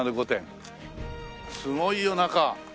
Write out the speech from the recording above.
すごいよ中。